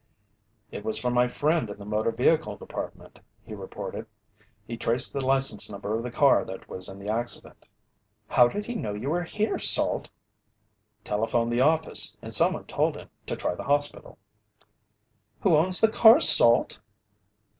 "It was from my friend in the Motor Vehicle Department," he reported. "He traced the license number of the car that was in the accident." "How did he know you were here, Salt?" "Telephoned the office, and someone told him to try the hospital." "Who owns the car, Salt?"